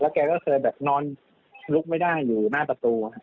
แกก็เคยแบบนอนลุกไม่ได้อยู่หน้าประตู